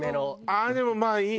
ああでもまあいい。